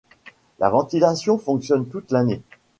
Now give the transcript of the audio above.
La ventilation fonctionne toute l'année.